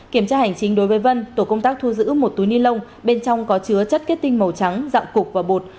kiểm tra hành chính đối với vân tổ công tác thu giữ một túi ni lông bên trong có chứa chất kết tinh màu trắng dạng cục và bột